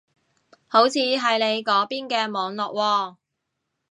好似係你嗰邊嘅網絡喎